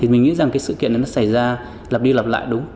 thì mình nghĩ rằng cái sự kiện này nó xảy ra lật đi lặp lại đúng